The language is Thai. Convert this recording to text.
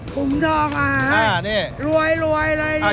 ผมชอบค่ะรวยเลยนะ